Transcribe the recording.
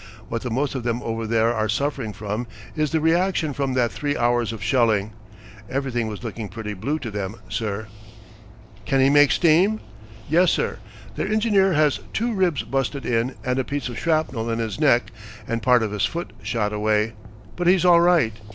What the most of them over there are suffering from is the reaction from that three hours of shelling everything was looking pretty blue to them, sir." "Can he make steam?" "Yes, sir. Their engineer has two ribs busted in and a piece of shrapnel in his neck and part of his foot shot away. But he's all right.